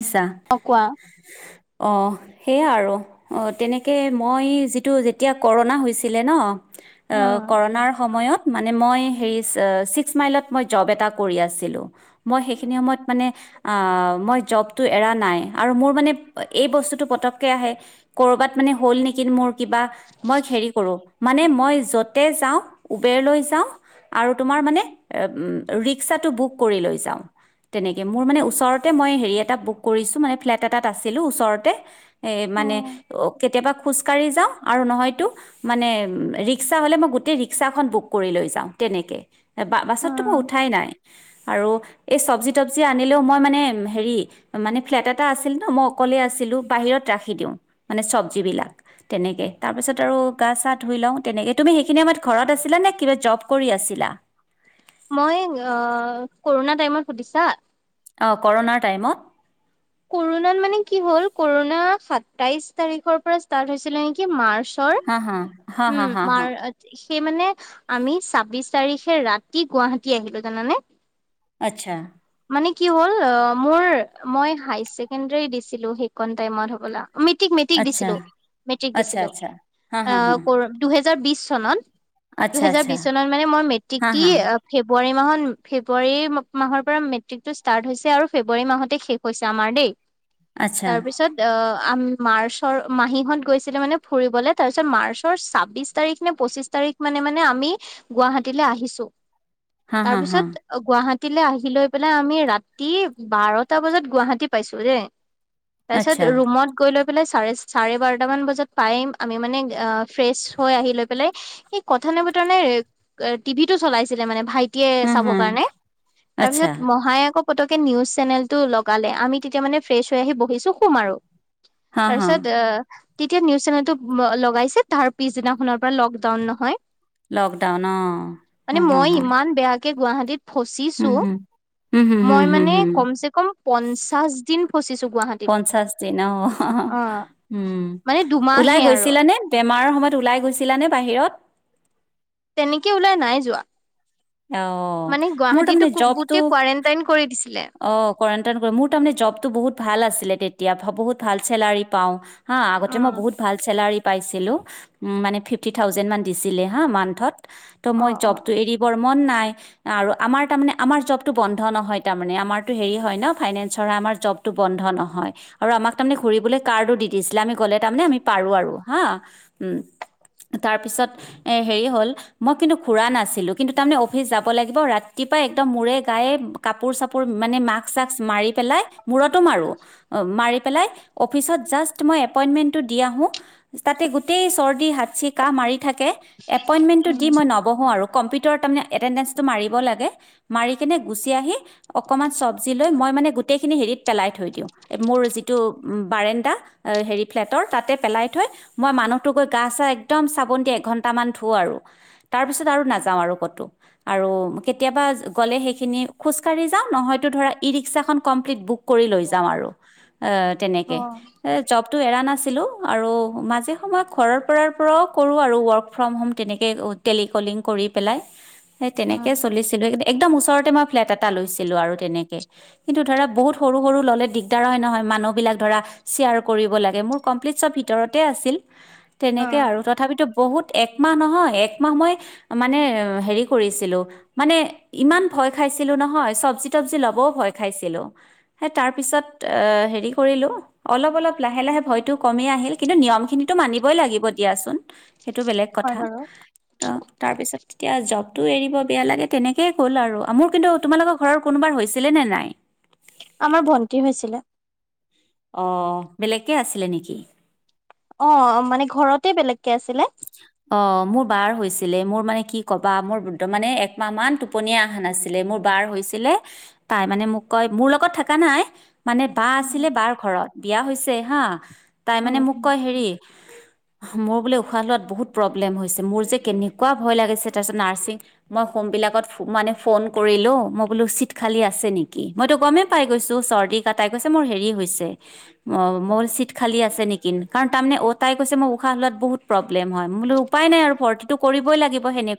নিছা অ কোৱা অ, সেয়া আৰু অ তেনেকে মই যিটো যেতিয়া ক'ৰণা হৈছিলে ন অ, উম ক'ৰনা সময়ত মানে মই হেই চিস্কমাইলত মই জব এটা কৰি আছি মই সেইখিনি সময়ত মানে মই জব টো এৰা নাই আৰু মোৰ মানে এই বস্তুটো পতককে আহে কৰবাত মানে হ'ল নেকি মোৰ। কিবা মই হেৰি কৰো মানে মই যতে যাওঁ উবেৰলৈ যাওঁ। আৰু তোমাৰ মানে ৰিক্সাটো বুক কৰি লৈ যাওঁ। তেনেকে মোৰ মানে ওচৰতে মই হেৰিয়াত টা বুক কৰিছো মানে ফ্লেট এটাত আছিলোঁ ওচৰতহে মানে উম কেতিয়াবা খোজকাঢ়ি যাওঁ আৰু নহয়তো মানে ৰিক্সা হ'লে মই গোটেই ৰিক্সাখন বুক কৰি লও। যাওঁ তেনেকে বা বাছতটো মই উঠাই নাই আৰু এই চবজি তবজি আনিলেও মই মানে হেৰি মানে ফ্লেট এটা আছিল ন মই অকলে আছিলো বাহিৰত ৰাখি দিওঁ মানে চব্জি বিলাক তেনেকে। তাৰপিছত আৰু গা চা ধুই লওঁ তেনেকে, তুমি সেইখিনি সময়ত ঘৰত আছিলা নে কিবা জব কৰি আছিলা? মই কৰোণা টাইমত সুধিছা? কৰণাৰ টাইমত। কৰোণাত মানে কি হল কৰোণা সাতাইশ তাৰিখৰ পৰা ষ্টাৰ্ট হৈছিলে নেকি মা চৰ হা হা হা হা উম হা হা মাৰ সেই মানে আমি ছাব্বিশ তাৰিখে ৰাতি গুৱাহাটী আহিলো জানানে। আচ্ছা। মানে কি হ'ল অ মোৰ মই হায় চছেকেণ্ডেৰী দিছিলো সেইখন টাইমত হ'বলা। মেট্ৰিক মেট্ৰিক দিছিলো মেট্ৰিক দিছিলো অ দুহেজাৰ বিশ চনত। দুহেজাৰ বিশ চনত মানে মই মেট্ৰিক দি ফেব্ৰুৱাৰী মাহত ফেব্ৰুৱাৰী মাহৰ পৰা মেট্ৰিক টো ষ্টাৰ্ট হৈছে আৰু ফেব্ৰুৱাৰী মাহতে শেষ হৈছে আমাৰ দেই। তাৰ পিছত অ আম মাৰ্চৰ মাহীহত গৈছিলে মানে ফুৰিবলে তাৰপিছত মাৰ্চৰ ছাব্বিশ তাৰিখ নে পঁচিশ তাৰিখ মানে মানে আমি গুৱাহাটীলে আহিছো। তাৰ পিছত গুৱাহাটীলে আহি লৈ পেলাই আমি ৰাতি বাৰটা বজাত- গুৱাহাটী পাইছোহি দে তাৰপাছত ৰুমত গৈ ল চাৰে চাৰে বাৰটামান বজাত পায়ে আমি মানে ফ্ৰেচ হৈ আহি লৈ পেলাই কথা নাই বতৰা নাই টিভি টো চলাইছিলে মানে ভাই টিয়ে চাব কাৰণে তাৰপাছত মহাই আকৌ পতকে নিউজ চেনেলটো ল গালে আমি তেতিয়া মানে ফ্ৰেচ হৈ আহি বহিছো শুম আৰু তাৰ পিছত অ তেতিয়া নিউজ চেনেলটো লগাইছে তাৰ পিছদিনাখনৰ পৰা লকডাউন নহয়। লকডাউন অ মানে হম হম মই হম। ইমান বেয়াকে গুৱাহাটীত ফচিছো হম হম হম মই হম হম মানে হম কমচে কম পঞ্চা দিন ফচিছো গুৱাহাটীত পঞ্চাশ দিন অ অ উম মানে ওলাই দুমাহে আৰু গৈছিলা নে? বেমাৰৰ সময়ত ওলাই গৈছিলা নে বাহিৰত? তেনেকে ওলাই নাই যোৱা। অ মানে মোৰ টাৰমানে গুৱাহাটীতো মানে জবটো গোটেই কোৱাৰেণ্টাইন কৰি দিছিলে। অ কৰানণ্টে কৰি জবটো বহুত ভাল আছিল তেতিয়া মই বহুত ভাল চেলাৰি পাওঁ। হা আগতে মই উম, বহুত ভাল চেলাৰী পাইছিলোঁ মানে ফিফটি থাউজেণ্ডমান দিছিলে হা মান্থত। ত মই অ', অ', জবতটো অ', এৰিবৰ মন নাই আৰু আমাৰ তাৰমানে আমাৰ জবটো বন্ধ নহয় তামানে আমাৰটো হে হয় ন ফাইনেন্সৰ আমাৰ জবটো বন্ধ নহয় আৰু আমাক তাৰমানে ঘুৰিবলে কাৰ্ডো দি দিছিলে গ'লে তামানে তুমি পাৰো আৰু হা তাৰপিছত হেৰি হ'ল মই কিন্তু ঘূৰা নাছিলো কিন্তু তাৰমানে অফিচ যাব লাগিব ৰাতিপোৱা একদম মূৰে গায়ে কাপোৰ চাপোৰ মানে মাস্ক চাস মাৰি পেলাই মূৰতো মাৰো মাৰি পেলাই অফিচত জাষ্ট মই এপইন্টমেন্টটো দি আহো তাতেই গোটেই ৰ্চদি হাচি কাঁহ মাৰি থাকে এপইন্টমেণ্টটো দি মই নবহো আৰু কম্পিউটাৰত তাৰেমানে এটেন্ডেচটো মাৰিব লাগে মাৰি কিনে গুচি আহি অকমান চব্জি লৈ মই মানে গোটেই হ প মোৰ যিটো বাৰো হে ফ্ তাতে পেলাই থৈ মই মানুহত গৈ গা চা একদম চাবোন দিিয় এঘন্টামান ধুওঁ আৰু তাৰ পিছত আৰু নাযাওঁ আৰু ক'তো আৰু কেতিয়াবা গ'লে সেইখিনি খোজকাঢি যাওঁ নহয়ো ধৰা ই ৰিক্াখন কমপ্লিট বুক লৈ য আৰু তেনেকে এৰা নাছিলো আৰু মাজে সময়ত ঘৰৰ পৰাাৰ পৰাও কৰো আৰু ৱৰ্ক ফ্ৰম হোম তেনেকে তেনেকৈ উম, চলিছিলোঁ একদম ওচৰতে মই ফ্লেট এটা লৈছিলোঁ আৰু তেনেকৈ কিন্তু ধৰা বহুত সৰু সৰু ল'লে দিগদাৰ হয় নহয় মানুহবিলাক ধৰা শ্বেয়াৰ কৰিব লাগে মোৰ কমপ্লিট চব ভিতৰতে আছিল তেনেকে অ', আৰু তথাপিতো বহুত একমাহ নহয় একমাহ মই মানে হেৰি কৰিছিলো মানে ইমান ভয় খাইছিলো নহয় চবজি তবজি লবও ভয় খাইছিলো সেই তাৰ পিছত অ হেৰি কৰিলো অলপ অলপ লাহে লাহে ভয়তো কমেই আহিল কিন্তু নিয়ম খিনিতো মানিবই লাগিব দিয়াচোন সেইটো বেলেগ হয় কথা বাৰু। ত তাৰপিছত তেতিয়া জব ো এৰিব বেয়া লাগে তেনেকেই গ'ল আৰু মোৰ কিন্তু তোমালোকৰ ঘৰত কোনোবাৰ হৈছিলে নে নাই আমাৰ ভণ্টি হৈছিলে অ বেলেগকে আছিলে নেকি অ মানে ঘৰতে বেলেগকে আছিলে আচ্ছা অ মোৰ বাৰ হৈছিলে মোৰ মানে কি কবা মোৰ মানে একমাহ মান টোপনীয়া অহা নাছিলে মোৰ বাৰ হৈছিলে তাই মানে মোক কয় মোৰ লগত থকা নাই মানে বা উম, আছিলে বাৰ ঘৰত বিয়া হৈছে হা তাই মানে উম, মোক উম। কয় হেৰি মোৰ বোলে উশাহ লোৱাত বহুত প্ৰব্লেম হৈছে মোৰ যে কেনেকুৱা ভয় লাগিছে তাৰপিছত ফ কৰিলো মই বোলো চিট খালি আছে নেকি মইতো গমেই পাই গৈছো চি কাই গৈছে ম হেৰি মোৰ চিট খালি আছে নেকি কাৰণ তাৰমানে অ তাই কৈছে মই উশাহ হলোৱাত বহুত ন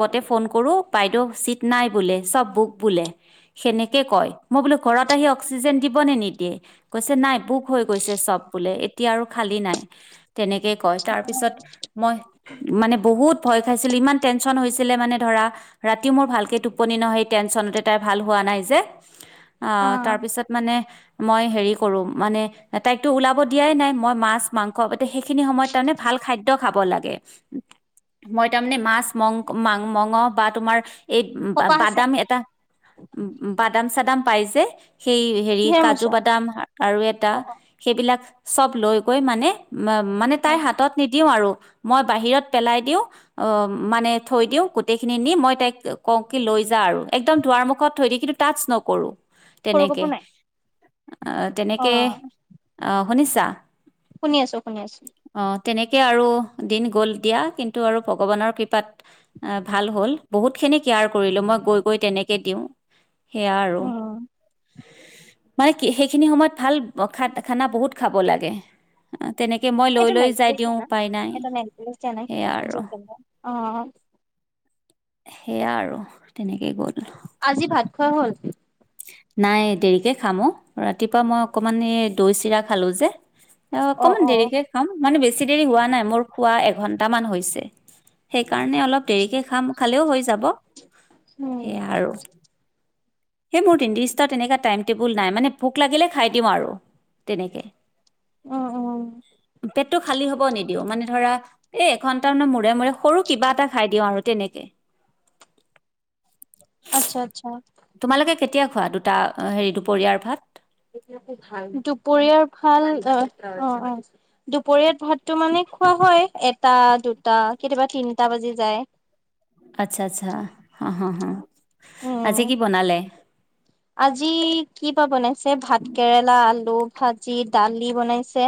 হব ফ কৰো বাইদেউ চিট নাই বোলে চব বুক বোলে সেনেকে কয় মই বোলো ঘৰত আহি অক্সিজেন দিব নে নিদিয়ে কৈছে নাই ভোক হৈ গৈছে চব বোলে এতিয়া আৰু খালী নাই তেনেকেই কয় তাৰ পিছত মই মানে বহুত ভয় খাইছিলো ইমান টেনশচন হৈছিলে মানে ধৰ ৰাতি মোৰ ভালকে টোপনি নহয় সেই টেনচনতে তাই ভাল হোৱা নাই যে অ তাৰপিছত মানে মই হেৰি কৰোম মানে তাইকতো ওলাব দিয়াই নাই মই মাছ মাংস সেইখিনি সময়ত তাৰমানে ভাল খাদ্য খাব লাগে মই তাৰমানে মাছ মং মাং মঙ বা তোমাৰ এই কপাহ আছে বাদাম এটা বাদাম চাদাম পাই যে সেই হেৰি কিহে কাজু মুছা বাদাম আৰু এটা অ', অ', সেইবিলাক চব লৈ গৈ মানে মানে তাইৰ অ', হাতত নিদিওঁ আৰু মই বাহিৰত পেলাই দিওঁ অ মানে থৈ দিওঁ গোটেই খিনি নি মই তাই লৈ একম দাৰ মুখত থৈ দি কিন্তু টাছ নকৰো সৰু তেনেকে কাপোৰ নাই আহ তেনেকে অ', আহ শুনিছা শুনি আছো শুনি আছো তেনেকে আৰু দিন গ'ল দিয়া কিন্তু আৰু ভগৱানৰ কৃপাত ভাল হ'ল বহুত কেনে কেয়াৰ কৰিলো মই গৈ গৈ তেনেকে দিওঁ সেয়া আৰু উম, মানে সেইখিনি সময়ত ভাল খ খানা বহুত খাব লাগে তেনেকে মই লৈ এটা লৈ নল যাই দিওঁ উপায় নাই প্ছ ন সেয়া আৰু প্ অ সেয়া আৰু তেনেকে গৈ আজি ভাত খোৱা হ'ল নাই দেৰিকে খামো ৰাতিপুৱা মই অকমান এই দৈ চিৰা খালো যে অ অকনমান দেৰিকে খাাম মানে বেছি দেৰি হোৱা নাই মোৰ খোৱা এঘন্টা এটামান হৈছে সেইকাৰণে অলপ দেৰিকে খাম খালেও হৈ যাব উম, সেইয়া আৰু। সেই মোৰ তিনিদষ্টাৰ তেনেক টাইম টেবুল নাই মানে ভোক লাগিলে খাই দিওঁ আৰু, তেনেকে। অ'-অ'। পেটটো খালী হ'ব নিদিও, মানে ধৰা এ এঘন্টাম মানৰ মূৰে মূৰে সৰু কিবা এটা খাই দিও আৰু তেনেকে। [inaudible] আচ্ছা আচ্ছা। তোমালোকে কেতিয়া খোৱা দুটা, হেৰি দুপৰীয়াৰ ভাত? দুপৰীয়াৰ ভাল অ'-অ', দুপৰীয়াৰ ভাতটো মানে হয় হয়, এটা দুটা, কেতিয়াবা তিনটা বাজি যায়। আচ্ছা আচ্ছা, হা-হা-হা। উম, আজি কি বা বনাইছে ভাত কেৰেলা আল আলু ভাজি দালি বনাইছে,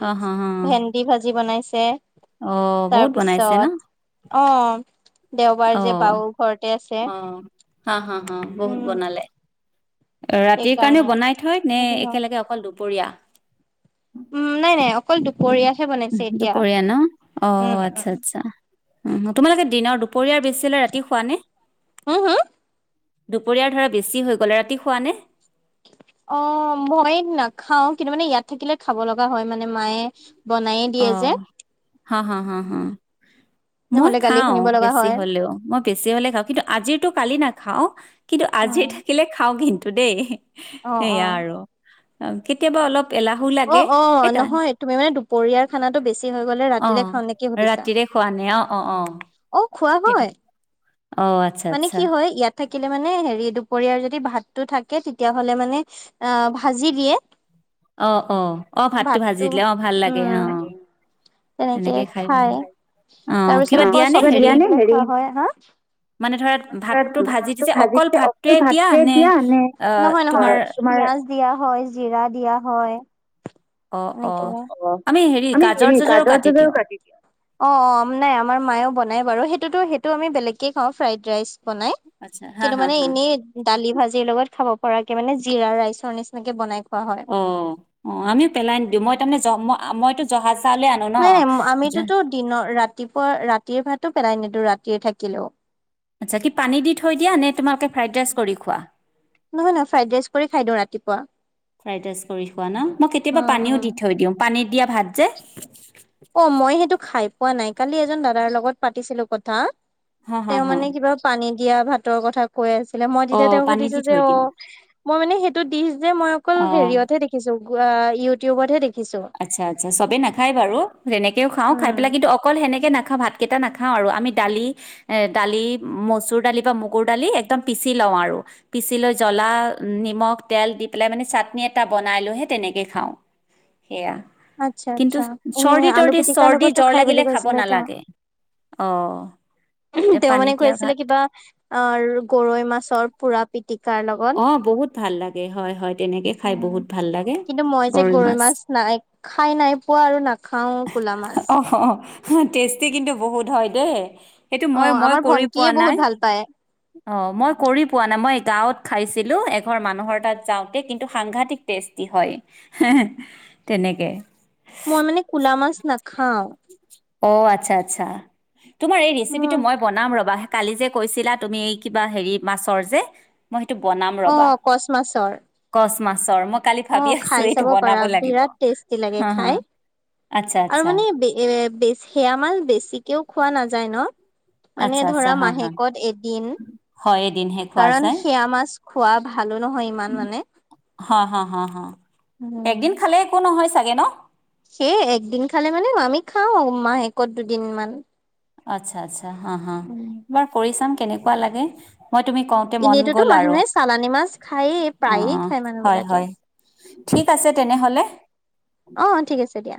হ হ হ ভেন্দি ভাজি বনাইছে অ' বহুত বনাইছে ন। তাৰপিছত অ' দেওবাৰ যে বাও ঘৰতে আছে। হা-হা-হা বহুত উম, বনালে। ৰাতিৰ সেইকাৰণে কাৰণেও বনাই থয় নে একেলগে অকল দুপৰীয়া? উম নাই-নাই অকল দো দুপৰীয়া ন উম, অ', উম, আচ্ছা আচ্ছা। উ' তোমালোকে দিনৰ, দুপৰীয়াৰ বেছি ৰাতি খুৱা নে? হা হা? দুপৰীয়াৰ ধৰা বেছি হৈ গল ৰাতি খোৱা নে? অ' মই নাখাও কিন্তু মানে ইয়াত থাকিলে খাব লগা হয় মানে মায়ে বনায়ে দিয়ে যে হা-হা-হা-হা। মই নহলে গালি খাও শুনিব লগা বেছি হয় হলেও, মই বেছি হলে খাওঁ কিন্তু আজিৰো কালি না খাওঁ, কিন্তু আজি থাকিলে খাওঁ কিন্তু দেই, অ অ সেয়া আৰু। অ' কেতিয়াবা অলপ এলাহো লাগে অ', এই অ', তা নহয় তুমি মানে দুপৰ ৰিয়াৰ খানাটো বেছি হৈ গলে অ', ৰাতিলে খাওঁ নেকি সুধিছা, ৰাতিৰে খোৱা নাই অ', অ', অ', অ'। খোৱা সেইটো হয়, অ', আচ্ছা মানে আচ্ছা। কি হয় ইয়াত থাকিলে মানে হেৰি দুপৰীয়াৰ যদি ভাতটো থাকে, তেতিয়া হলে মানে অ' ভাজি দিয়ে। অ'-অ', অ', ভাতটো ভাজি দিলে অ' ভাল লাগে উম অ'। তেনেকে খাই ভাল খায় লাগে। অ', কিবা তাৰপিছত দিয়া নে হেৰি আকৌ হয়, [unintelligible] হা। মানে ধৰা ম ভাতটো [unintelligible] ভাতো দিছে ভাজি অকল ভাতটোৱে ভাতে দিয়া নে, ন নহয় তোমাৰ দিয়া হয়, জিৰা দিয়া হয় অ', এনেকে অ', আমি হেৰি আমি গাজৰ দেৰি চাজৰো কৰও কাটি দিওঁ। কাট দা, অ'-অ' নাইমাৰ মায়েও বনাই বাৰু সেইটোতো সেইটো আমি বেলেগকে খাওঁ ফ্ৰাইড ৰাইচ বনাই, আচ্ছা হা কিন্তু হা মানে হা। এনেই দালি ভাজিৰ লগত খাব পৰা মানে জিৰা ৰাইৰ নিচিনাকে বনাই। খোৱা হয় অ', অ', আমিও পেলাই নিদিওঁ মই তাৰে মইতো জহাজ নাই নাই আমিতোতো দিনৰ, ৰাতিপুৱা ৰাতিৰ ভাতো পেলাই নিদো টো ৰাতিয়ে থাকিলেও আচ্ছা কি পানী দি থৈ দিয়া নে, তোমালোকে ফ্ৰাইড ৰাইচ কৰি খোৱা? নহয় নহয়, ফ্ৰাইড ৰাইচ কৰি খাই দিওঁ ৰাতিপুৱা। ফ্ৰাইড ৰাইচ কৰি খোৱা ন, মই কেতিয়াবা উম পানীও উম দি থৈ দিওঁ, পানীত দিয়া ভাত যে অ', মই সেইটো খাই পোৱা নাই কালি এজন দাদাৰ লগত পাতিছিলো কথা হ হ তেওঁ হ মানে কিবা পানী দিয়া ভাতৰ কথা কৈ আছে পে মই অ তেতিয়া তেওঁক পানী সুধিছো দি যে থৈ অ দিওঁ মই মানে সেইটো দিশ যে মই অকল অ হেৰিয়তহে দেখিছো ইউটিউবতহে দেখ আচ্ছা আচ্ছা, চবে নাখায় বাৰু, তেনেকেও খাওঁ, খাই পেলাই কিন্তু অকল সেনেকে না [unintelligible] ভাতকেইটা নাখাওঁ আৰু আমি দালি এ দালি মচুৰ দালি বা মগুৰ দালি একদম পিচি লওঁ আৰু পিচি লৈ জলা, নিমখ, তেল দি পেলাই মানে চাটনি এটা বনাই লৈ সেই তেনেকেই খাওঁ। [inaudible] সেয়া আচ্ছা কিন্তু আচ্ছা এনে চৰ্দি আলু তৰ্দি পিটিকাৰ চৰ্দি লগতো জ্বৰ খাই বুলি লাগিলে খাব কৈছিলে তেওঁ। নালাগে। অ তে তেওঁ পানী মানে কৈ দিয়া আছিলে ভাত কিবা আ গৰৈ মাছৰ পুৰা পিতিকাৰ লগত অ বহুত ভাল লাগে হয় হয়। তেনেকে খাই বহুত ভাল লাগে কিন্তু মই যে গৰৈ মাছ নাই খাই নাই পোৱা আৰু না খাওঁ ক'লা মাছ। অ টেষ্টি কিন্তু বহুত হয় দেই। সেইটো অ মই মই আমাৰ কৰি পোৱা ভন্টিয়ে নাই বহুত ভাল পায় অ মই কৰি পোৱা নাই মই গাঁৱত খাইছিলো এঘৰ মানুহৰ তাত যাওঁতে কিন্তু সাংঘাতিক টেষ্টি হয় তেনেকে। মই মানে কুলা মাছ নাখাও। অ আচ্ছা আচ্ছা, তোমাৰ এই ৰেচিপিটো মোৰ মই বনাম ৰবা। কালি যে কৈছিলা তুমি এই কিবা হেৰি মাছৰ যে মই সেইটো বনাম অ ৰবা কচ মাছৰ। কচ মাছৰ মই কালি অ ভাবি আছো খাই এইটো চাব বনাব পাৰা লাগিব বিৰাট টেষ্টি লাগে হা হা খাই আচ্ছা আৰু আচ্ছা মানে এ বেছি সেয়া মাছ বেছিকেও খোৱা নাযায় ন আচ্ছা মানে আচ্ছা ধৰা হা হা মাহেকত এদিন। হয় এদিনহে খোৱা কাৰণ যায় সেয়া মাছ খোৱা ভালো নহয় ইমান মানে হা হা হা হা, উম একদিন খালে একো নহয় চাগে ন? সেই একদিন খালে মানে আমি খাওঁ মাহেকত দুদিন মান। আচ্ছা আচ্ছা হা হা উম এইবাৰ কৰি চাম কেনেকুৱা লাগে। মই তুমি কওঁতে মন এনেইতোতো গ'ল আৰু, মানুহে চালানী মাছ খায়েই অ প্ৰায়ে খায় মানুহ হয় বিলাকে হয়। ঠিক আছে তেনেহলে। অ ঠিক আছে দিয়া